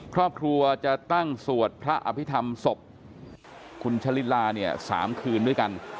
ครอบครัวจะตั้งสวดพระอภิษฐรรมศพคุณชะลิลาเนี่ย๓คืนด้วยกัน